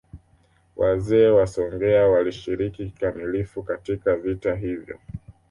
Wazee wa Songea walishiriki kikamilifu katika vita hivyo